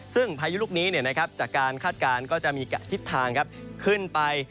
ซึ่งพายุลูกนี้จากการคาดการณ์ก็จะมีทิศทางขึ้นไป